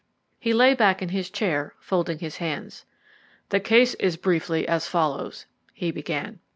He lay back in his chair, folding his hands. "The case is briefly as follows," he began.